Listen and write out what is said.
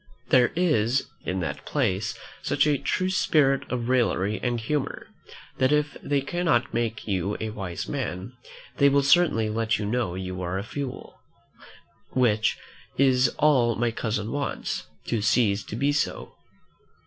There is in that place such a true spirit of raillery and humour, that if they cannot make you a wise man, they will certainly let you know you are a fool; which is all my cousin wants, to cease to be so.